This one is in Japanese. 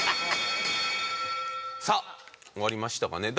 さあ終わりましたかね。